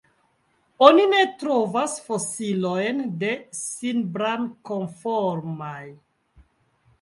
Oni ne trovis fosiliojn de Sinbrankoformaj.